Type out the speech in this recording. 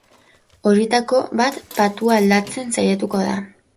Horietako bat patua aldatzen saiatuko da.